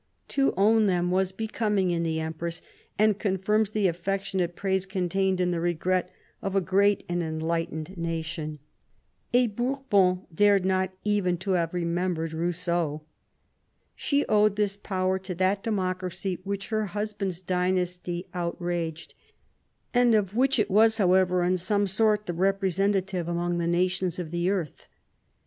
To own them was becoming in the Em press, and confirms the affectionate praise contained in the regret of a great and enlightened nation. A Bourbon dared not even to have remembered Rousseau. She owed this power to that democracy which her husband's dynasty outraged, and of which it was 119 however in some sort the representative among the nations of the earth.